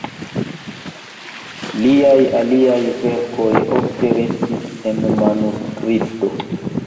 Liaj aliaj verkoj ofte restis en manuskripto.